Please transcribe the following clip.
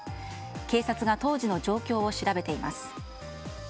警察が当時の状況を調べています。